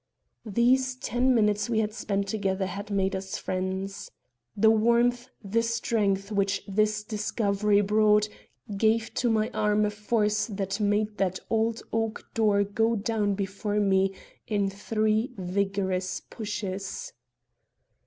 These ten minutes we had spent together had made us friends. The warmth, the strength which this discovery brought, gave to my arm a force that made that old oak door go down before me in three vigorous pushes.